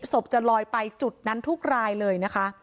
ศพจะลอยไปจุดนั้นทุกรายเลยนะคะ